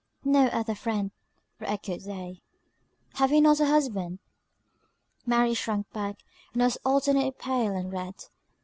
"No other friend," re echoed they, "have you not a husband?" Mary shrunk back, and was alternately pale and red.